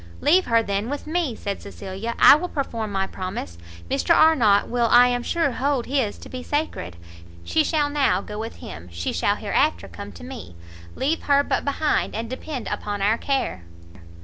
"Leave her then with me!" said Cecilia, "I will perform my promise, Mr Arnott will I am sure hold his to be sacred, she shall now go with him, she shall hereafter come to me, leave her but behind, and depend upon our care."